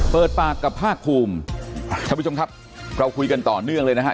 เปิดปากกับภาคภูมิท่านผู้ชมครับเราคุยกันต่อเนื่องเลยนะฮะ